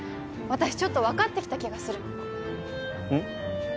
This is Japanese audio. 私ちょっと分かってきた気がするうん？